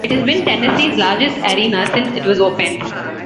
It has been Tennessee's largest arena since it was opened.